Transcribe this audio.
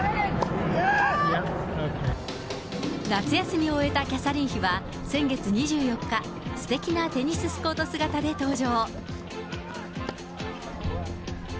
夏休みを終えたキャサリン妃は、先月２４日、すてきなテニススコート姿で登場。